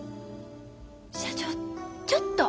社長ちょっと。